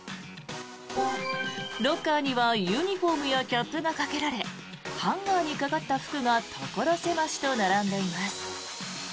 ロッカーにはユニホームやキャップがかけられハンガーにかかった服が所狭しと並んでいます。